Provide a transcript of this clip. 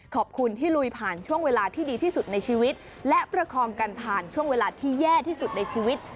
ขอบคุณที่ลุยผ่านช่วงเวลาที่ดีที่สุดในชีวิตและประคองกันผ่านช่วงเวลาที่แย่ที่สุดในชีวิต